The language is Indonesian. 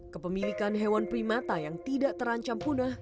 kepemilikan hewan primata yang tidak terancam punah